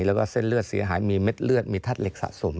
แล้วก็เส้นเลือดเสียหายมีเม็ดเลือดมีแท็กสะสม